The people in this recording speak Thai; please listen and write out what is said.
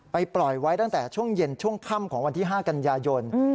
ปล่อยไว้ตั้งแต่ช่วงเย็นช่วงค่ำของวันที่๕กันยายน